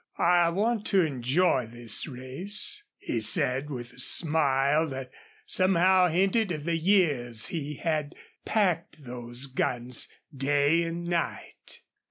"I want to enjoy this race," he said, with a smile that somehow hinted of the years he had packed those guns day and night.